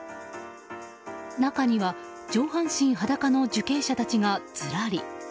中には上半身裸の受刑者たちがずらり。